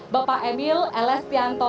bapak emil l s tianto